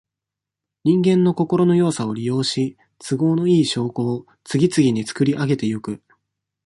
人間の心の弱さを利用し、都合のいい証拠を、次々につくりあげてゆく。